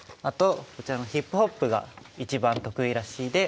あとこちらのヒップホップが一番得意らしい。